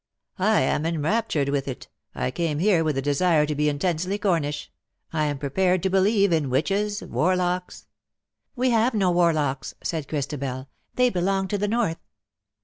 ^' I am enraptured with it ! I came here with the desire to be intensely Cornish. I am prepared to believe in witches — warlocks '■" We have no warlocks," said Christabel. ^'^ They belong to the North.'